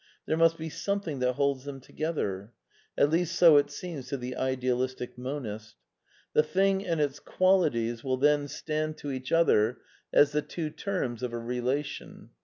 There must be some thing that holds them together. (At least so it seems to the Idealistic Monist.) The thing and its qualities will then stand to each other as the two terms of a relation.